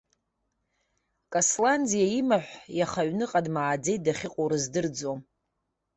Касланӡиаимаҳә, иаха аҩныҟа дмааӡеит, дахьыҟоу рыздырӡом.